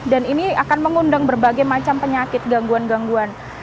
dan ini akan mengundang berbagai macam penyakit gangguan gangguan